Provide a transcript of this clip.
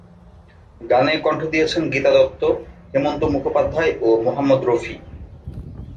গানে কণ্ঠ দিয়েছেন গীতা দত্ত, হেমন্ত মুখোপাধ্যায়, ও মোহাম্মদ রফি।